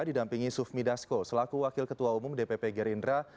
didampingi sufmi dasko selaku wakil ketua umum dpp gerindra